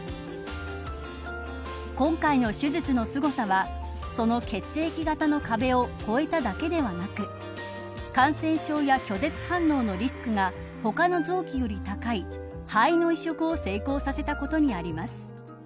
今回の手術の凄さはその血液型の壁を越えただけではなく感染症や拒絶反応のリスクが他の臓器より高い肺の移植を成功させたことにあります。